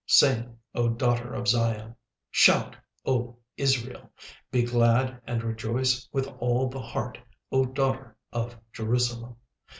36:003:014 Sing, O daughter of Zion; shout, O Israel; be glad and rejoice with all the heart, O daughter of Jerusalem.